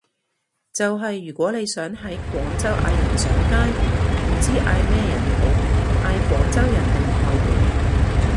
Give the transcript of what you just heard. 就係如果你想喺廣州嗌人上街，唔知嗌咩人好，嗌廣州人定外地人？